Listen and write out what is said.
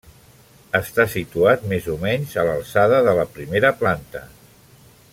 Està situat més o menys a l'alçada de la primera planta.